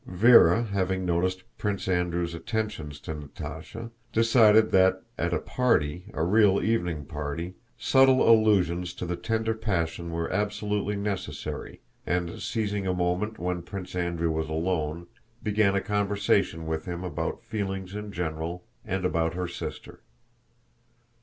Véra, having noticed Prince Andrew's attentions to Natásha, decided that at a party, a real evening party, subtle allusions to the tender passion were absolutely necessary and, seizing a moment when Prince Andrew was alone, began a conversation with him about feelings in general and about her sister.